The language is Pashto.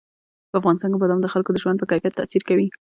په افغانستان کې بادام د خلکو د ژوند په کیفیت تاثیر کوي.